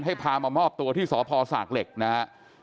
ให้พามามอบตัวที่สภศาสตร์เหล็กนะครับ